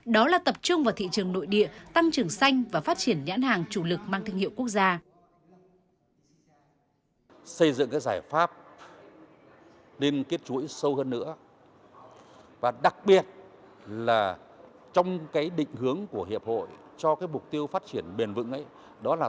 đó là tập trung vào thị trường nội địa tăng trưởng xanh và phát triển nhãn hàng chủ lực mang thương hiệu quốc gia